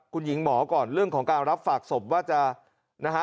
คุณหญิงหมอก่อนเรื่องของการรับฝากศพว่าจะนะฮะ